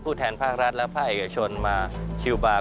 แทนภาครัฐและภาคเอกชนมาคิวบาร์